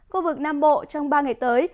khu vực nam bộ trong ba ngày tới